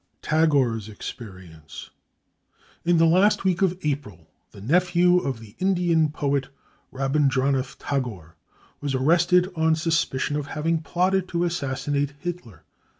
Tagore's Experience. In the last week of April the 225 BRUTALITY AND TORTURE nephew of the Indian poet Rabindranath Tagore was ar rested on suspicion of having plotted to assassinate Hitler.